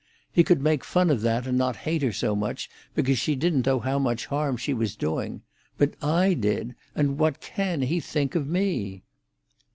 He could make fun of that, and not hate her so much, because she didn't know how much harm she was doing. But I did; and what can he think of me?"